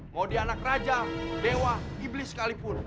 mau dia anak raja dewa dibeli sekalipun